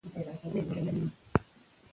که ستوري وي نو اسمان نه تشیږي.